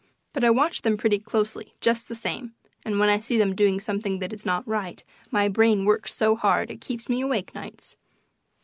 But I watch them pretty closely, just the same, and when I see them doing something that is not right my brain works so hard it keeps me awake nights.